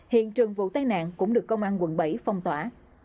hiện trường vụ tai nạn cũng được công an quận bảy phong tỏa